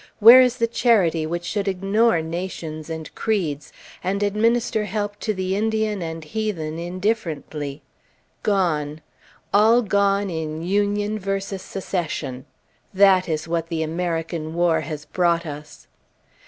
Where is the charity which should ignore nations and creeds, and administer help to the Indian and Heathen indifferently? Gone! All gone in Union versus Secession! That is what the American War has brought us.